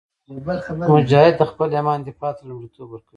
مجاهد د خپل ایمان دفاع ته لومړیتوب ورکوي.